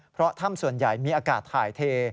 เพราะถ้ำส่วนใหญ่มีอากาศถ่ายเท